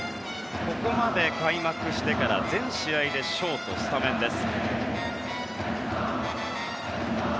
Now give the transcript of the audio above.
ここまで開幕してから全試合でショートスタメンです。